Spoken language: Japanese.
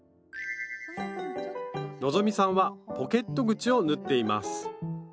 希さんはポケット口を縫っています